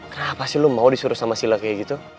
kenapa sih lo mau disuruh sama sila kayak gitu